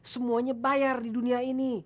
semuanya bayar di dunia ini